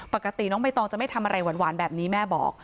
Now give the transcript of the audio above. ปกติน้องใบตองจะไม่ทำอะไรหวานแบบนี้แม่บอก